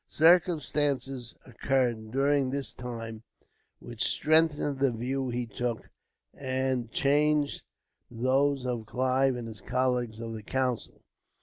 Circumstances occurred, during this time, which strengthened the view he took, and changed those of Clive and his colleagues of the council.